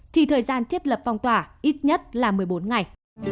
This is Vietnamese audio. thì thời gian thiết lập phong tỏa ít nhất là một mươi bốn ngày